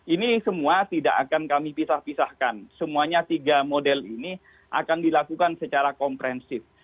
ini semua tidak akan kami pisah pisahkan semuanya tiga model ini akan dilakukan secara komprehensif